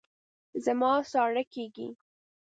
زما ساړه کېږي